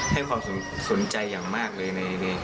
ให้ความสนใจอย่างมากเลย